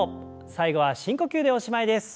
最後は深呼吸でおしまいです。